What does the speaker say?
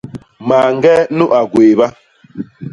Mañge nu a gwééba.